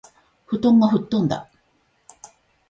布団がふっとんだ